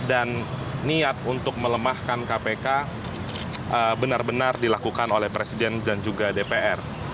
dan niat untuk melemahkan kpk benar benar dilakukan oleh presiden dan juga dpr